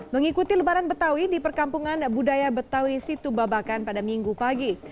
mengikuti lebaran betawi di perkampungan budaya betawi situ babakan pada minggu pagi